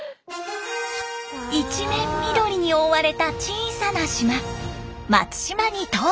一面緑に覆われた小さな島松島に到着。